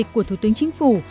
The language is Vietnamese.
của thủ tướng chính phủ